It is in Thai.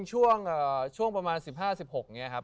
จริงช่วงประมาณ๑๕๑๖นี้